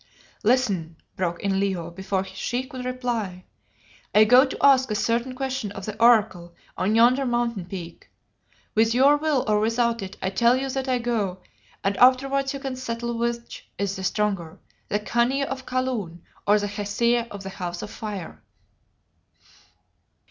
"Listen," broke in Leo before she could reply. "I go to ask a certain question of the Oracle on yonder mountain peak. With your will or without it I tell you that I go, and afterwards you can settle which is the stronger the Khania of Kaloon or the Hesea of the House of Fire."